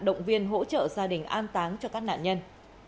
động viên hỗ trợ gia đình an táng cho các nạn nhân